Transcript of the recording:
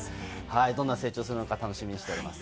どんな成長をするのか楽しみにしています。